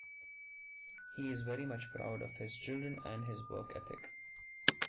He is very much proud of his children and his work ethic.